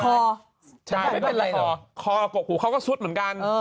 คอปรบกกกากสุดเหมือนกัน